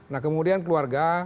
nah kemudian keluarga